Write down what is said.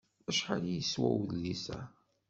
Acḥal i yeswa udlis-a?